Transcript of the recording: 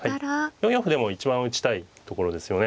４四歩でも一番打ちたいところですよね。